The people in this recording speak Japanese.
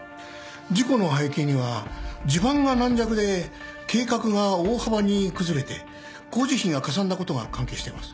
事故の背景には地盤が軟弱で計画が大幅に崩れて工事費がかさんだことが関係してます。